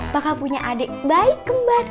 bakal punya adik bayi kembar dua